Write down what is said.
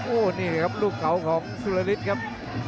โอ้วนี่แหละครับลูกเขาของสุรริสครับ